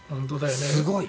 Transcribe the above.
すごい。